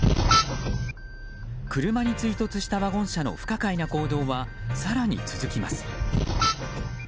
車に追突したワゴン車の不可解な行動は更に続きます。